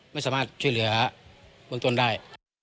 ไม่สามารถช่วยเหลือเบื้องต้นได้